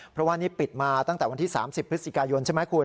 เพราะว่านี่ปิดมาตั้งแต่วันที่๓๐พฤศจิกายนใช่ไหมคุณ